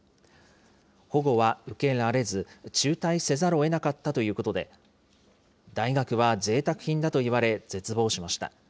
保護は受けられず、中退せざるをえなかったということで、大学はぜいたく品だと言われ、絶望しました。